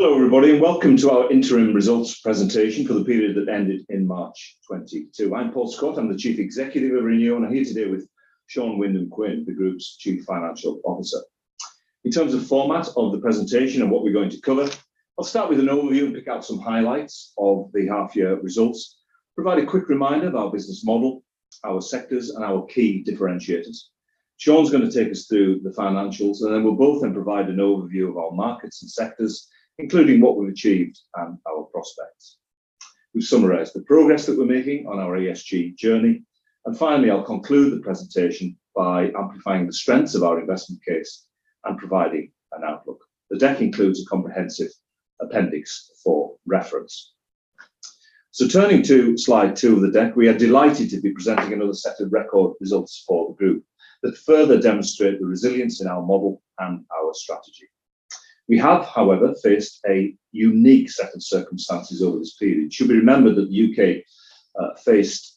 Hello, everybody, and welcome to our interim results presentation for the period that ended in March 2022. I'm Paul Scott. I'm the Chief Executive of Renew, and I'm here today with Sean Wyndham-Quin, the group's Chief Financial Officer. In terms of format of the presentation and what we're going to cover, I'll start with an overview and pick out some highlights of the half year results, provide a quick reminder of our business model, our sectors, and our key differentiators. Sean's going to take us through the financials, and then we'll both then provide an overview of our markets and sectors, including what we've achieved and our prospects. We've summarized the progress that we're making on our ESG journey, and finally, I'll conclude the presentation by amplifying the strengths of our investment case and providing an outlook. The deck includes a comprehensive appendix for reference. So turning to slide two of the deck, we are delighted to be presenting another set of record results for the group that further demonstrate the resilience in our model and our strategy. We have, however, faced a unique set of circumstances over this period. It should be remembered that the U.K. faced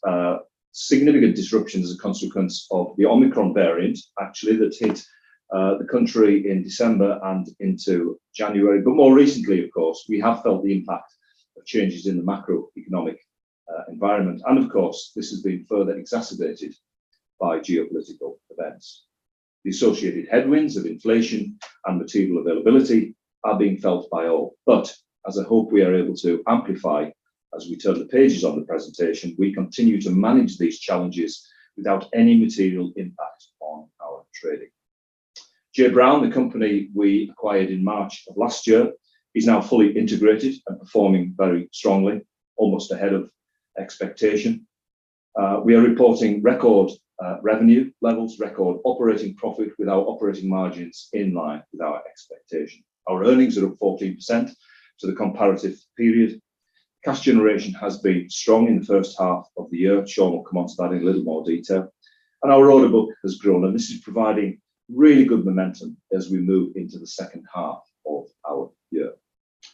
significant disruption as a consequence of the Omicron variant, actually, that hit the country in December and into January. But more recently, of course, we have felt the impact of changes in the macroeconomic environment, and of course, this has been further exacerbated by geopolitical events. The associated headwinds of inflation and material availability are being felt by all, but as I hope we are able to amplify as we turn the pages on the presentation, we continue to manage these challenges without any material impact on our trading. J. Browne, the company we acquired in March of last year, is now fully integrated and performing very strongly, almost ahead of expectation. We are reporting record revenue levels, record operating profit with our operating margins in line with our expectation. Our earnings are up 14% to the comparative period. Cash generation has been strong in the first half of the year. Sean will come on to that in a little more detail. And our order book has grown, and this is providing really good momentum as we move into the second half of our year.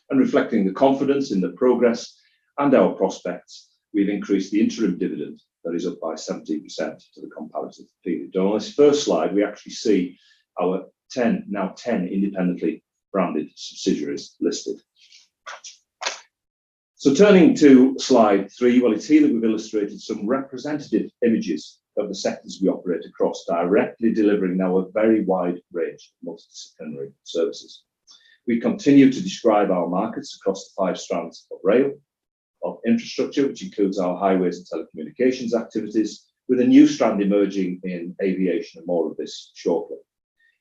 And reflecting the confidence in the progress and our prospects, we've increased the interim dividend that is up by 17% to the comparative period. And on this first slide, we actually see our 10, now 10 independently branded subsidiaries listed. So turning to slide three, well, it's here that we've illustrated some representative images of the sectors we operate across, directly delivering our very wide range of multidisciplinary services. We continue to describe our markets across the five strands of rail, of infrastructure, which includes our highways and telecommunications activities, with a new strand emerging in aviation, and more of this shortly.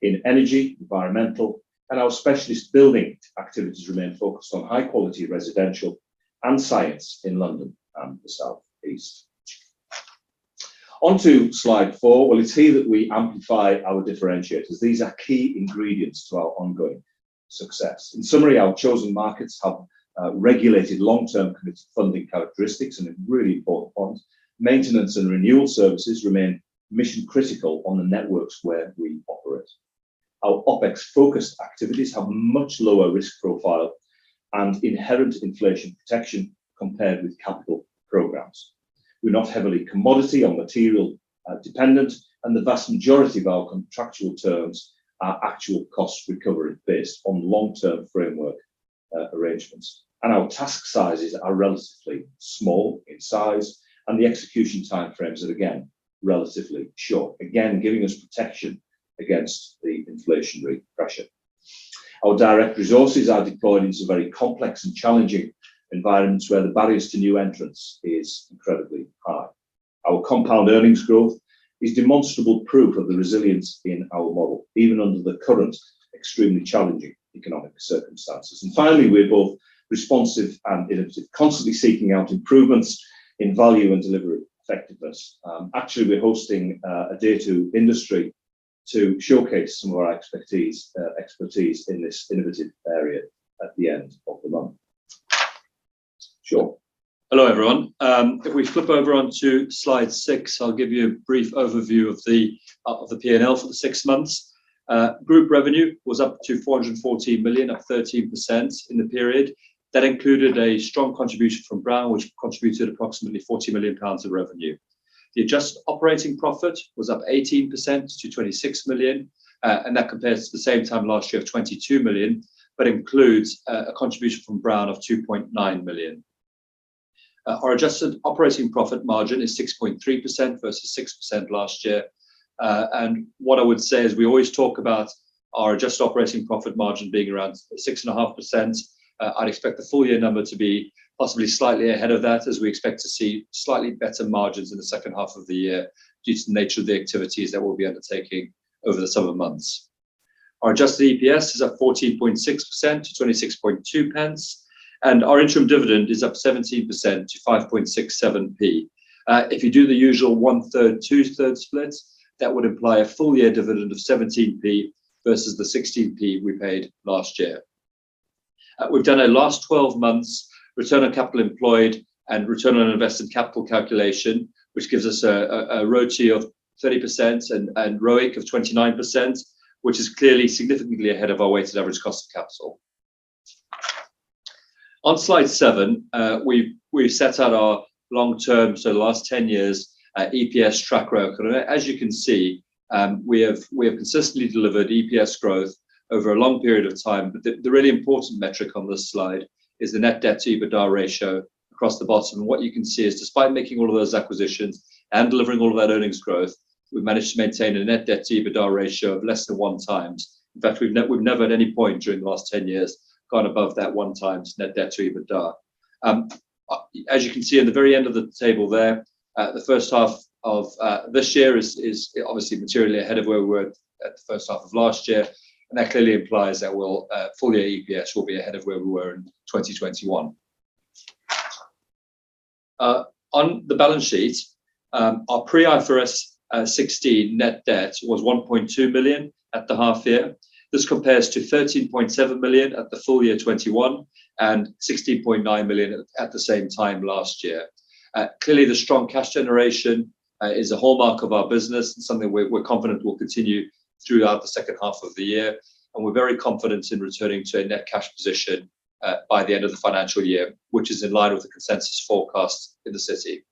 In energy, environmental, and our specialist building activities remain focused on high-quality residential and science in London and the Southeast. On to slide four. Well, it's here that we amplify our differentiators. These are key ingredients to our ongoing success. In summary, our chosen markets have regulated long-term funding characteristics, and a really important point, maintenance and renewal services remain mission critical on the networks where we operate. Our OpEx-focused activities have much lower risk profile and inherent inflation protection compared with capital programs. We're not heavily commodity or material dependent, and the vast majority of our contractual terms are actual cost recovery based on long-term framework arrangements. And our task sizes are relatively small in size, and the execution time frames are, again, relatively short, again, giving us protection against the inflationary pressure. Our direct resources are deployed into very complex and challenging environments where the barriers to new entrants is incredibly high. Our compound earnings growth is demonstrable proof of the resilience in our model, even under the current extremely challenging economic circumstances. And finally, we're both responsive and innovative, constantly seeking out improvements in value and delivery effectiveness. Actually, we're hosting a day to industry to showcase some of our expertise, expertise in this innovative area at the end of the month. Sean? Hello, everyone. If we flip over onto slide six, I'll give you a brief overview of the P&L for the six months. Group revenue was up to 414 million, up 13% in the period. That included a strong contribution from Browne, which contributed approximately 40 million pounds of revenue. The adjusted operating profit was up 18% to 26 million, and that compares to the same time last year of 22 million, but includes a contribution from Browne of 2.9 million. Our adjusted operating profit margin is 6.3% versus 6% last year. And what I would say is we always talk about our adjusted operating profit margin being around 6.5%. I'd expect the full year number to be possibly slightly ahead of that, as we expect to see slightly better margins in the second half of the year due to the nature of the activities that we'll be undertaking over the summer months. Our adjusted EPS is up 14.6% to 0.262, and our interim dividend is up 17% to 0.567. If you do the usual 1/3, 2/3 split, that would imply a full-year dividend of 0.17 versus the 0.16 we paid last year. We've done a last twelve months return on capital employed and return on invested capital calculation, which gives us a ROTCE of 30% and ROIC of 29%, which is clearly significantly ahead of our weighted average cost of capital. On slide seven, we've set out our long term, so the last 10 years, EPS track record. And as you can see, we have consistently delivered EPS growth over a long period of time. But the really important metric on this slide is the net debt to EBITDA ratio across the bottom. And what you can see is, despite making all of those acquisitions and delivering all of that earnings growth, we've managed to maintain a net debt to EBITDA ratio of less than 1x. In fact, we've never at any point during the last 10 years gone above that 1x net debt to EBITDA. As you can see at the very end of the table there, the first half of this year is obviously materially ahead of where we were at the first half of last year, and that clearly implies that we'll full year EPS will be ahead of where we were in 2021. On the balance sheet, our pre-IFRS 16 net debt was 1.2 million at the half year. This compares to 13.7 million at the full year 2021, and 16.9 million at the same time last year. Clearly, the strong cash generation is a hallmark of our business and something we're, we're confident will continue throughout the second half of the year, and we're very confident in returning to a net cash position by the end of the financial year, which is in line with the consensus forecast in the city.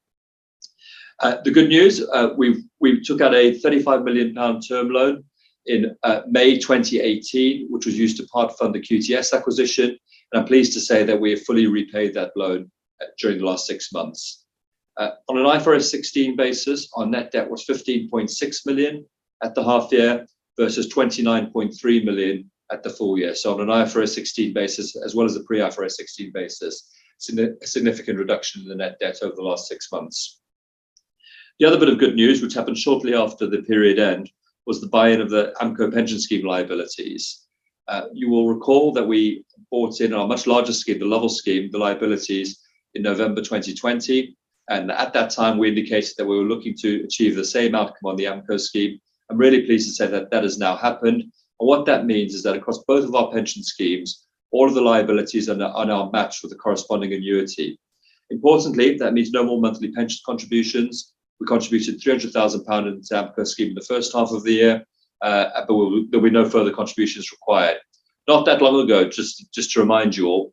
The good news, we took out a 35 million pound term loan in May 2018, which was used to part-fund the QTS acquisition, and I'm pleased to say that we have fully repaid that loan during the last six months. On an IFRS 16 basis, our net debt was 15.6 million at the half year versus 29.3 million at the full year. So on an IFRS 16 basis, as well as a pre-IFRS 16 basis, a significant reduction in the net debt over the last six months. The other bit of good news, which happened shortly after the period end, was the buy-in of the Amco pension scheme liabilities. You will recall that we bought in our much larger scheme, the Lovell scheme, the liabilities in November 2020, and at that time we indicated that we were looking to achieve the same outcome on the Amco scheme. I'm really pleased to say that that has now happened, and what that means is that across both of our pension schemes, all of the liabilities are now, are now matched with the corresponding annuity. Importantly, that means no more monthly pension contributions. We contributed 300,000 pounds into the Amco scheme in the first half of the year, but there will be no further contributions required. Not that long ago, just to remind you all,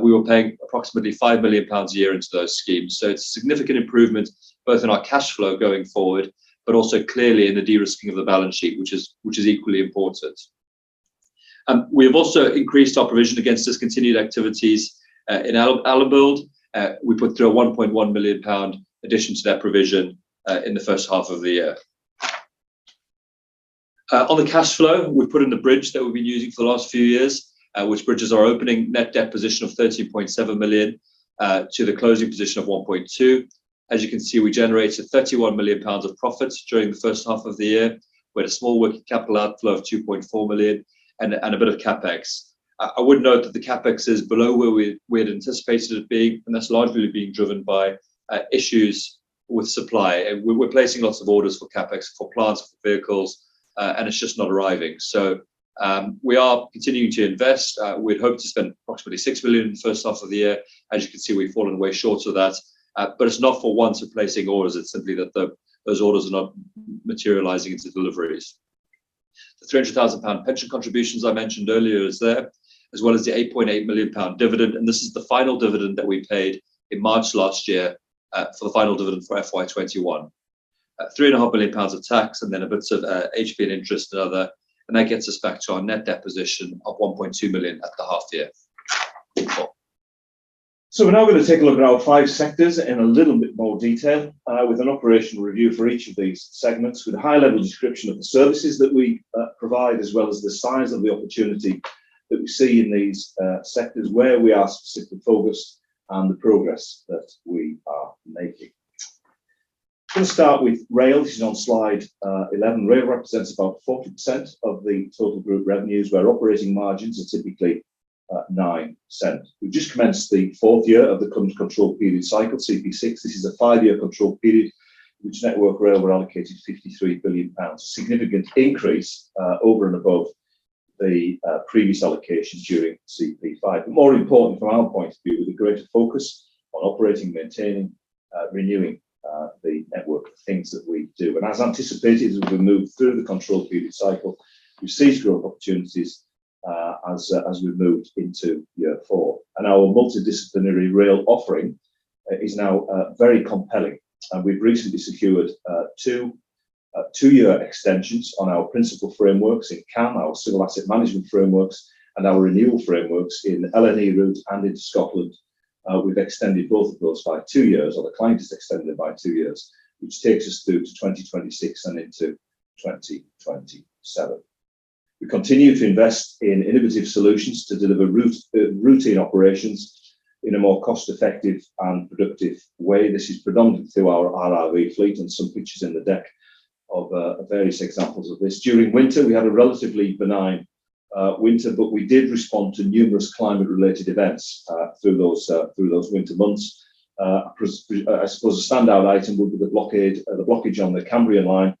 we were paying approximately 5 million pounds a year into those schemes, so it's a significant improvement both in our cash flow going forward, but also clearly in the de-risking of the balance sheet, which is equally important. We have also increased our provision against discontinued activities in Allenbuild. We put through a 1.1 million pound addition to that provision in the first half of the year. On the cash flow, we've put in the bridge that we've been using for the last few years, which bridges our opening net debt position of 13.7 million to the closing position of 1.2 million. As you can see, we generated 31 million pounds of profits during the first half of the year, with a small working capital outflow of 2.4 million and a bit of CapEx. I would note that the CapEx is below where we had anticipated it being, and that's largely being driven by issues with supply. And we're placing lots of orders for CapEx, for plants, for vehicles, and it's just not arriving. So, we are continuing to invest. We'd hoped to spend approximately 6 million in the first half of the year. As you can see, we've fallen way short of that, but it's not for want of placing orders. It's simply that the, those orders are not materializing into deliveries. The 300,000 pound pension contributions I mentioned earlier is there, as well as the 8.8 million pound dividend, and this is the final dividend that we paid in March last year, for the final dividend for FY 2021. 3.5 million pounds of tax, and then a bit of, HP and interest and other, and that gets us back to our net debt position of 1.2 million at the half year. We're now going to take a look at our 5 sectors in a little bit more detail, with an operational review for each of these segments, with a high-level description of the services that we provide, as well as the size of the opportunity that we see in these sectors, where we are specifically focused and the progress that we are making. We'll start with rail, which is on slide 11. Rail represents about 40% of the total group revenues, where operating margins are typically 9%. We've just commenced the fourth year of the control period cycle, CP6. This is a 5-year control period in which Network Rail were allocated 53 billion pounds, a significant increase over and above the previous allocation during CP5. But more important from our point of view, with a greater focus on operating, maintaining, renewing, the network of things that we do. As anticipated, as we move through the control period cycle, we've seized growth opportunities, as we've moved into year four. Our multidisciplinary rail offering is now very compelling. We've recently secured two-year extensions on our principal frameworks in CAM, our signal asset management frameworks, and our renewal frameworks in LNE routes and in Scotland. We've extended both of those by two years, or the client has extended them by two years, which takes us through to 2026 and into 2027. We continue to invest in innovative solutions to deliver routine operations in a more cost-effective and productive way. This is predominant through our RRV fleet and some pictures in the deck of various examples of this. During winter, we had a relatively benign winter, but we did respond to numerous climate-related events through those winter months. I suppose a standout item would be the blockage on the Cambrian Line,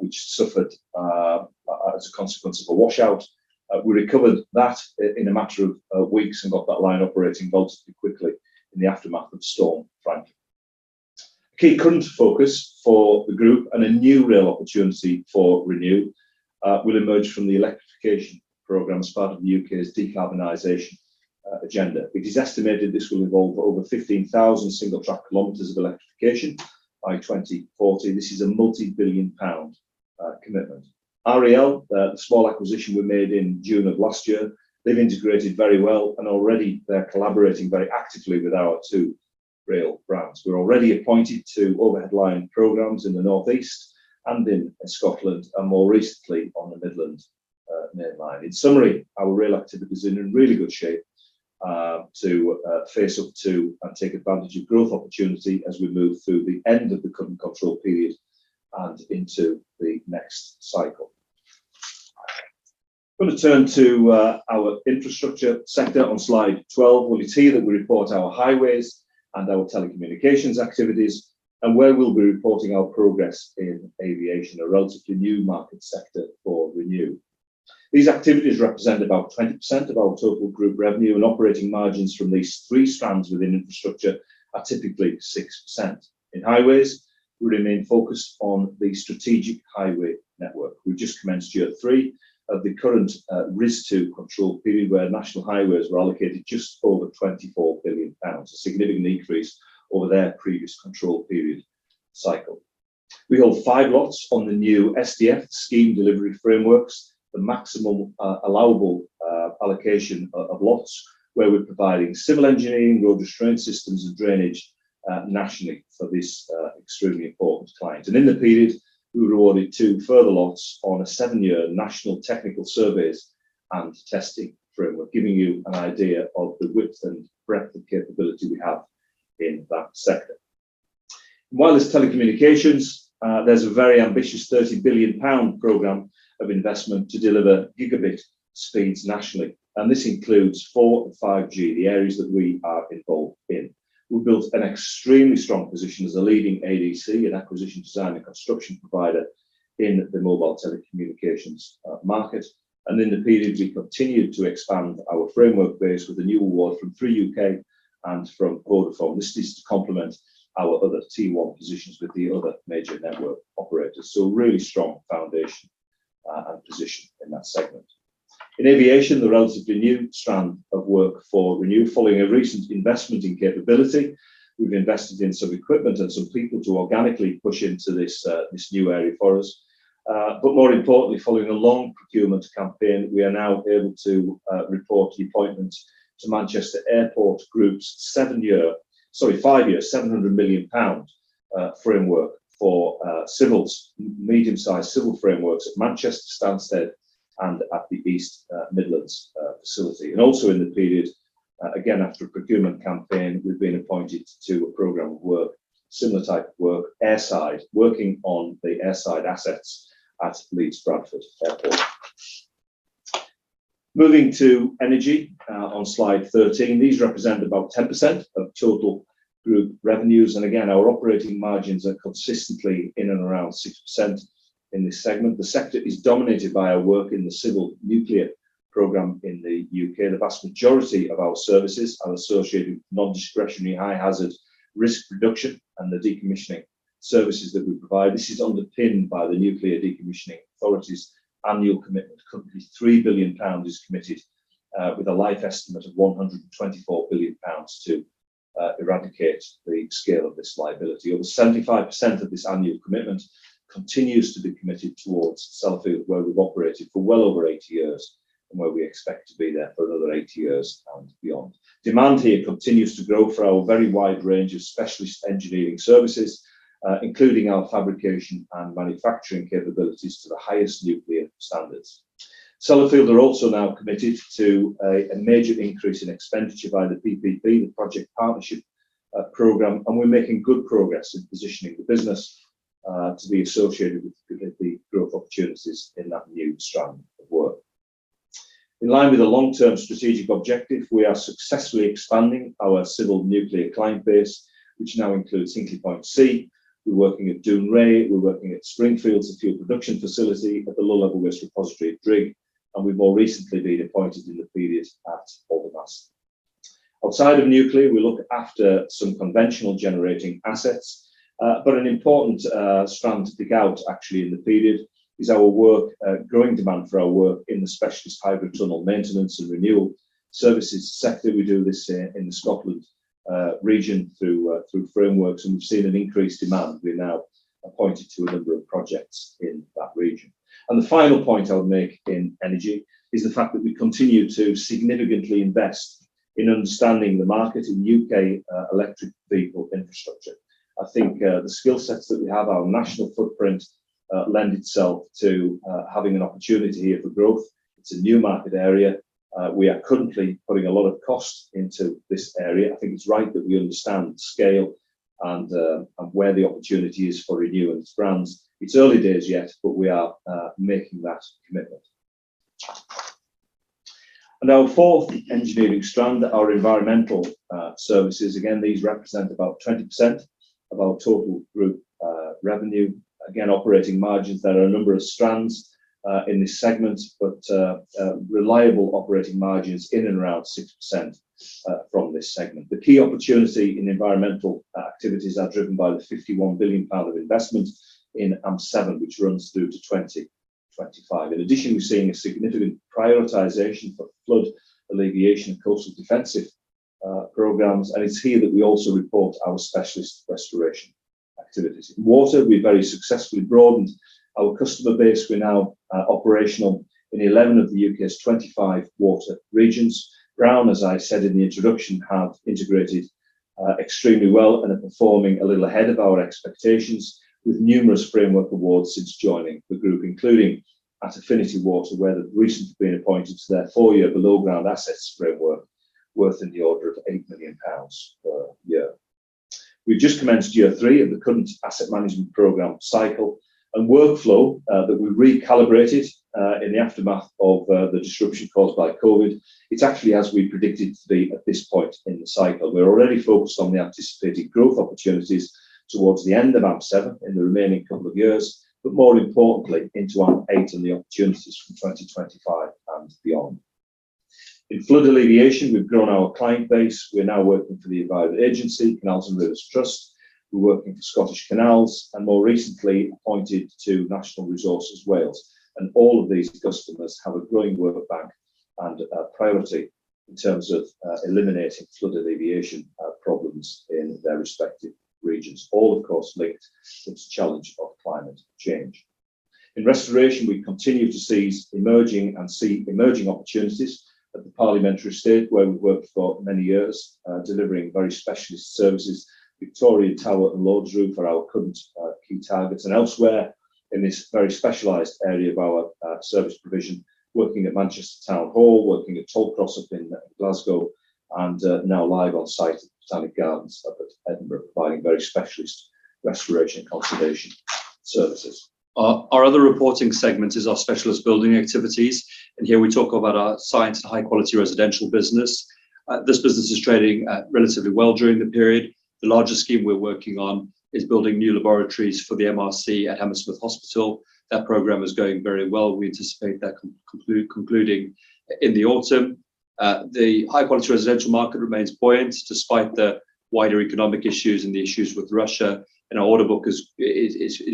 which suffered as a consequence of a washout. We recovered that in a matter of weeks and got that line operating relatively quickly in the aftermath of Storm Franklin. A key current focus for the group and a new real opportunity for Renew will emerge from the electrification program as part of the U.K.'s decarbonization agenda. It is estimated this will involve over 15,000 single track kilometers of electrification by 2040. This is a multi-billion GBP commitment. REL, the small acquisition we made in June of last year, they've integrated very well, and already they're collaborating very actively with our two rail brands. We're already appointed to overhead line programs in the Northeast and in Scotland, and more recently on the Midland Main Line. In summary, our rail activity is in really good shape to face up to and take advantage of growth opportunity as we move through the end of the current control period and into the next cycle. I'm going to turn to our infrastructure sector on slide 12, where you see that we report our highways and our telecommunications activities, and where we'll be reporting our progress in aviation, a relatively new market sector for Renew. These activities represent about 20% of our total group revenue, and operating margins from these three strands within infrastructure are typically 6%. In highways, we remain focused on the strategic highway network. We just commenced year three of the current RIS2 control period, where National Highways were allocated just over 24 billion pounds, a significant increase over their previous control period cycle. We hold five lots on the new SDF, scheme delivery frameworks, the maximum allowable allocation of lots, where we're providing civil engineering, road restraint systems, and drainage nationally for this extremely important client. And in the period, we were awarded two further lots on a seven-year national technical surveys and testing framework, giving you an idea of the width and breadth of capability we have in that sector. Wireless telecommunications, there's a very ambitious 30 billion pound program of investment to deliver gigabit speeds nationally, and this includes 4G and 5G, the areas that we are involved in. We built an extremely strong position as a leading ADC, an acquisition design and construction provider in the mobile telecommunications market. In the period, we continued to expand our framework base with a new award from Three UK and from Vodafone. This is to complement our other Tier One positions with the other major network operators, so a really strong foundation and position in that segment. In aviation, the relatively new strand of work for Renew, following a recent investment in capability, we've invested in some equipment and some people to organically push into this new area for us. But more importantly, following a long procurement campaign, we are now able to report the appointment to Manchester Airports Group's five-year, 700 million pound framework for civils, medium-sized civil frameworks at Manchester, Stansted, and at the East Midlands facility. And also in the period, again, after a procurement campaign, we've been appointed to a program of work, similar type of work, airside, working on the airside assets at Leeds Bradford Airport. Moving to energy, on slide 13, these represent about 10% of total group revenues, and again, our operating margins are consistently in and around 6% in this segment. The sector is dominated by our work in the civil nuclear program in the UK. The vast majority of our services are associated with non-discretionary, high hazard risk reduction and the decommissioning services that we provide. This is underpinned by the Nuclear Decommissioning Authority's annual commitment. Currently, 3 billion pounds is committed, with a life estimate of 124 billion pounds to eradicate the scale of this liability. Over 75% of this annual commitment continues to be committed towards Sellafield, where we've operated for well over 80 years and where we expect to be there for another 80 years and beyond. Demand here continues to grow for our very wide range of specialist engineering services, including our fabrication and manufacturing capabilities to the highest nuclear standards. Sellafield are also now committed to a major increase in expenditure by the PPP, the Project Partnership Program, and we're making good progress in positioning the business to be associated with the growth opportunities in that new strand of work. In line with the long-term strategic objective, we are successfully expanding our civil nuclear client base, which now includes Hinkley Point C. We're working at Dounreay, we're working at Springfields, it's a fuel production facility at the Low Level Waste Repository at Drigg, and we've more recently been appointed in the period at Aldermaston. Outside of nuclear, we look after some conventional generating assets, but an important strand to pick out actually in the period is our work, growing demand for our work in the specialist hydro tunnel maintenance and renewal services sector. We do this in the Scotland region through frameworks, and we've seen an increased demand. We're now appointed to a number of projects in that region. And the final point I would make in energy is the fact that we continue to significantly invest in understanding the market in U.K. electric vehicle infrastructure. I think the skill sets that we have, our national footprint, lend itself to having an opportunity here for growth. It's a new market area. We are currently putting a lot of cost into this area. I think it's right that we understand the scale and and where the opportunity is for Renew and its brands. It's early days yet, but we are making that commitment. And our fourth engineering strand are environmental services. Again, these represent about 20% of our total group-... revenue. Again, operating margins, there are a number of strands in this segment, but reliable operating margins in and around 6%, from this segment. The key opportunity in environmental activities are driven by the 51 billion pound of investment in AMP7, which runs through to 2025. In addition, we're seeing a significant prioritization for flood alleviation and coastal defensive programs, and it's here that we also report our specialist restoration activities. In water, we very successfully broadened our customer base. We're now operational in 11 of the U.K.'s 25 water regions. Browne, as I said in the introduction, have integrated extremely well and are performing a little ahead of our expectations with numerous framework awards since joining the group, including at Affinity Water, where they've recently been appointed to their four-year below ground assets framework worth in the order of 8 million pounds per year. We've just commenced year three of the current asset management program cycle, and workflow that we recalibrated in the aftermath of the disruption caused by COVID, it's actually as we predicted to be at this point in the cycle. We're already focused on the anticipated growth opportunities towards the end of AMP7 in the remaining couple of years, but more importantly, into AMP8 and the opportunities from 2025 and beyond. In flood alleviation, we've grown our client base. We're now working for the Environment Agency, Canal & River Trust. We're working for Scottish Canals, and more recently, appointed to Natural Resources Wales, and all of these customers have a growing work bank and a priority in terms of, eliminating flood alleviation, problems in their respective regions, all of course, linked to the challenge of climate change. In restoration, we continue to seize emerging and see emerging opportunities at the Parliamentary Estate, where we've worked for many years, delivering very specialist services. Victoria Tower and Lords' Room are our current, key targets, and elsewhere in this very specialized area of our, service provision, working at Manchester Town Hall, working at Tollcross up in Glasgow, and, now live on site at the Botanic Gardens up at Edinburgh, providing very specialist restoration and conservation services. Our other reporting segment is our specialist building activities, and here we talk about our science and high-quality residential business. This business is trading relatively well during the period. The largest scheme we're working on is building new laboratories for the MRC at Hammersmith Hospital. That program is going very well. We anticipate that concluding in the autumn. The high-quality residential market remains buoyant despite the wider economic issues and the issues with Russia, and our order book is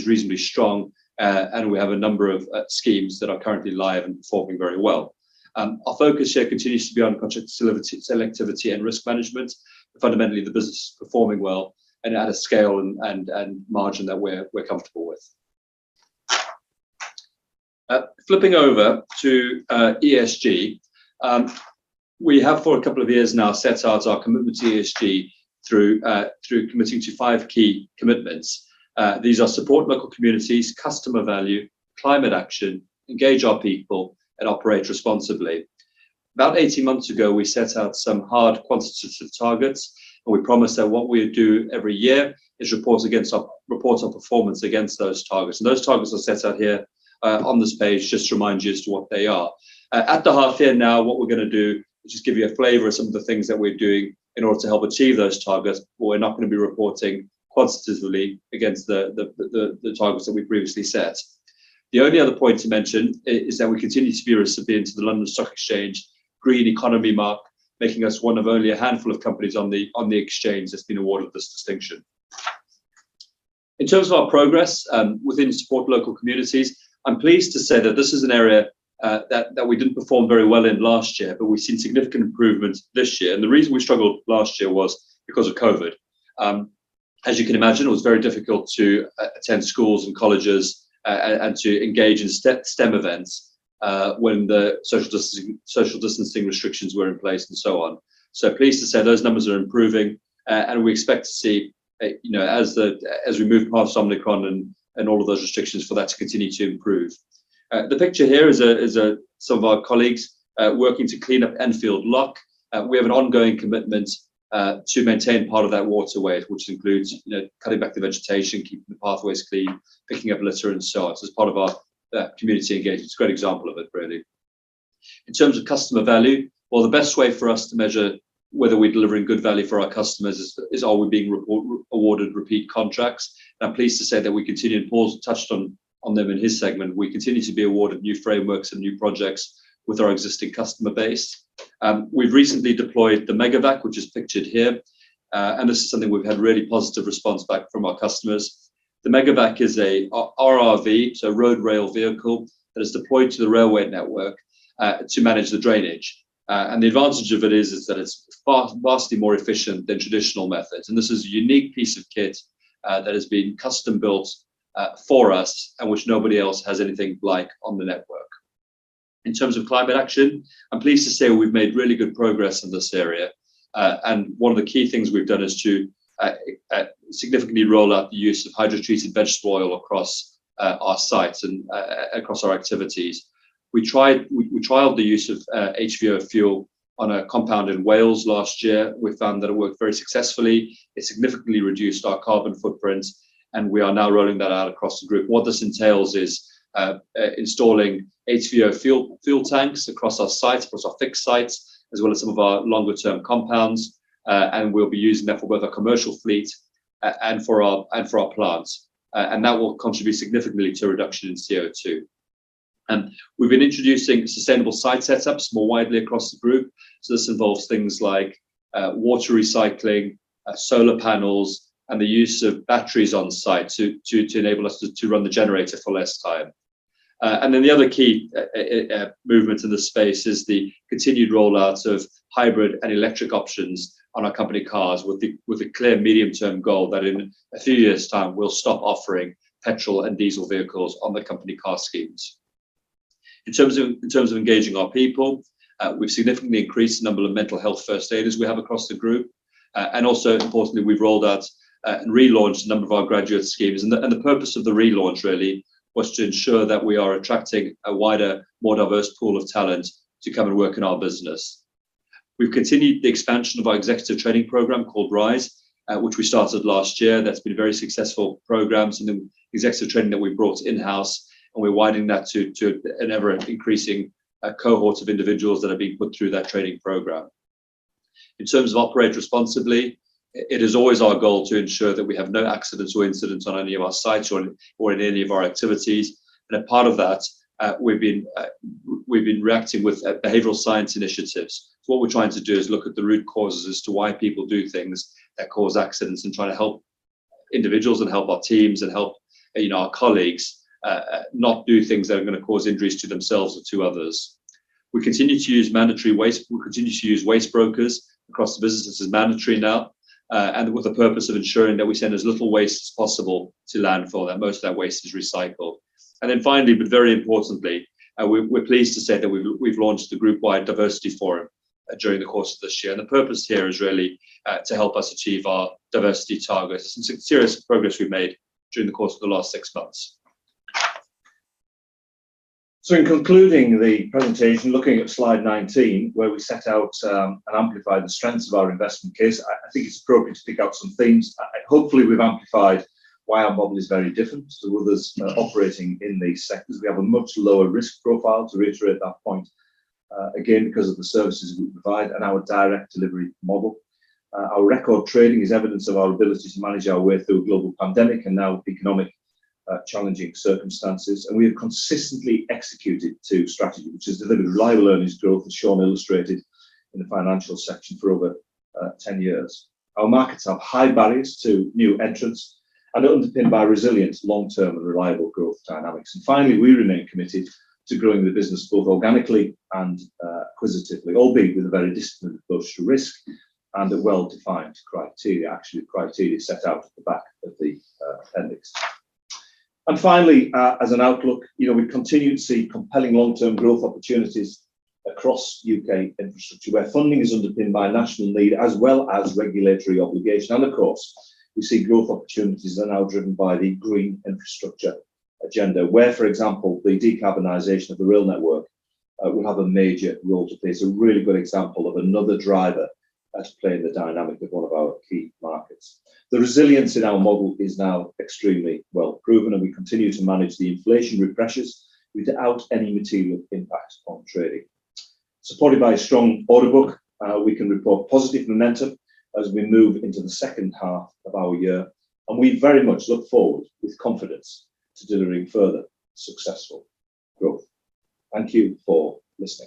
reasonably strong, and we have a number of schemes that are currently live and performing very well. Our focus here continues to be on contract selectivity and risk management. Fundamentally, the business is performing well and at a scale and margin that we're comfortable with. Flipping over to ESG, we have for a couple of years now set out our commitment to ESG through committing to five key commitments. These are support local communities, customer value, climate action, engage our people, and operate responsibly. About 18 months ago, we set out some hard quantitative targets, and we promised that what we would do every year is report on performance against those targets. Those targets are set out here, on this page, just to remind you as to what they are. At the half year now, what we're gonna do is just give you a flavor of some of the things that we're doing in order to help achieve those targets, but we're not gonna be reporting quantitatively against the targets that we previously set. The only other point to mention is that we continue to be recipient of the London Stock Exchange Green Economy Mark, making us one of only a handful of companies on the, on the Exchange that's been awarded this distinction. In terms of our progress within supporting local communities, I'm pleased to say that this is an area that we didn't perform very well in last year, but we've seen significant improvements this year, and the reason we struggled last year was because of COVID. As you can imagine, it was very difficult to attend schools and colleges and to engage in STEM events when the social distancing restrictions were in place and so on. So pleased to say those numbers are improving, and we expect to see, you know, as we move past Omicron and all of those restrictions, for that to continue to improve. The picture here is some of our colleagues working to clean up Enfield Lock. We have an ongoing commitment to maintain part of that waterway, which includes, you know, cutting back the vegetation, keeping the pathways clean, picking up litter, and so on. So as part of our community engagement, it's a great example of it, really. In terms of customer value, well, the best way for us to measure whether we're delivering good value for our customers is: are we being awarded repeat contracts? I'm pleased to say that we continue, and Paul touched on them in his segment, we continue to be awarded new frameworks and new projects with our existing customer base. We've recently deployed the Mega Vac, which is pictured here, and this is something we've had really positive response back from our customers. The Mega Vac is a RRV, so a road rail vehicle, that is deployed to the railway network, to manage the drainage. And the advantage of it is that it's far, vastly more efficient than traditional methods, and this is a unique piece of kit, that has been custom-built, for us, and which nobody else has anything like on the network. In terms of climate action, I'm pleased to say we've made really good progress in this area. And one of the key things we've done is to significantly roll out the use of hydrotreated vegetable oil across our sites and across our activities. We trialed the use of HVO fuel on a compound in Wales last year. We found that it worked very successfully. It significantly reduced our carbon footprint, and we are now rolling that out across the group. What this entails is installing HVO fuel tanks across our sites, across our fixed sites, as well as some of our longer-term compounds, and we'll be using that for both our commercial fleet and for our plants. And that will contribute significantly to a reduction in CO₂. We've been introducing sustainable site setups more widely across the group. So this involves things like water recycling, solar panels, and the use of batteries on site to enable us to run the generator for less time. And then the other key movement in this space is the continued rollout of hybrid and electric options on our company cars, with a clear medium-term goal that in a few years' time, we'll stop offering petrol and diesel vehicles on the company car schemes. In terms of engaging our people, we've significantly increased the number of mental health first aiders we have across the group. And also importantly, we've rolled out and relaunched a number of our graduate schemes. And the purpose of the relaunch really was to ensure that we are attracting a wider, more diverse pool of talent to come and work in our business. We've continued the expansion of our executive training program called RISE, which we started last year, and that's been a very successful program. Some of the executive training that we've brought in-house, and we're widening that to an ever-increasing cohort of individuals that are being put through that training program. In terms of operate responsibly, it is always our goal to ensure that we have no accidents or incidents on any of our sites or in any of our activities. And a part of that, we've been reacting with behavioral science initiatives. So what we're trying to do is look at the root causes as to why people do things that cause accidents, and try to help individuals and help our teams and help, you know, our colleagues, not do things that are gonna cause injuries to themselves or to others. We continue to use mandatory waste brokers across the business. This is mandatory now, and with the purpose of ensuring that we send as little waste as possible to landfill, and most of that waste is recycled. And then finally, but very importantly, we're pleased to say that we've launched a group-wide diversity forum during the course of this year. And the purpose here is really to help us achieve our diversity targets and serious progress we've made during the course of the last six months. In concluding the presentation, looking at slide 19, where we set out and amplify the strengths of our investment case, I think it's appropriate to pick out some themes. Hopefully, we've amplified why our model is very different to others operating in these sectors. We have a much lower risk profile, to reiterate that point again, because of the services we provide and our direct delivery model. Our record trading is evidence of our ability to manage our way through a global pandemic and now economic challenging circumstances. And we have consistently executed to strategy, which has delivered reliable earnings growth, as Sean illustrated in the financial section, for over 10 years. Our markets have high barriers to new entrants and underpinned by resilient long-term and reliable growth dynamics. And finally, we remain committed to growing the business, both organically and acquisitively, albeit with a very disciplined approach to risk and a well-defined criteria, actually, criteria set out at the back of the appendix. And finally, as an outlook, you know, we continue to see compelling long-term growth opportunities across U.K. infrastructure, where funding is underpinned by national need as well as regulatory obligation. And of course, we see growth opportunities are now driven by the green infrastructure agenda, where, for example, the decarbonization of the rail network will have a major role to play. It's a really good example of another driver that's playing the dynamic of one of our key markets. The resilience in our model is now extremely well-proven, and we continue to manage the inflationary pressures without any material impact on trading. Supported by a strong order book, we can report positive momentum as we move into the second half of our year, and we very much look forward with confidence to delivering further successful growth. Thank you for listening.